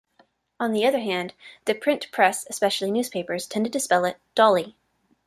On the other hand, the print press, especially newspapers, tended to spell it "Dolly".